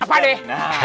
nah apa deh